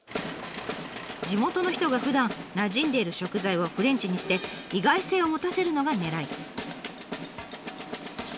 地元の人がふだんなじんでいる食材をフレンチにして意外性を持たせるのがねらい。